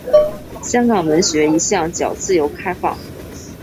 香港文学一向较自由及开放。